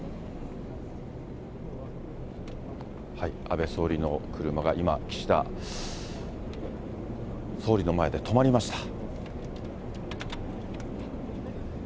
安倍総理の車が今、岸田総理の前で止まりました。